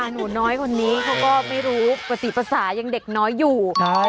หนูน้อยคนนี้เขาก็ไม่รู้ประติภาษายังเด็กน้อยอยู่